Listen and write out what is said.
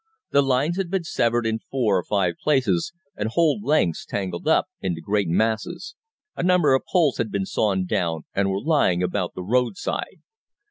The lines had been severed in four or five places, and whole lengths tangled up into great masses. A number of poles had been sawn down, and were lying about the roadside.